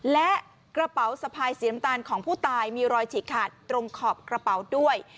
และกระเป๋าสะพายสีน้ำตาลของผู้ตายมีรอยฉีกขาดตรงขอบกระเป๋าด้วย